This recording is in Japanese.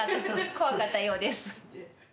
怖かったようです。